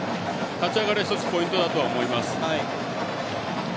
立ち上がり１つ、ポイントだと思います。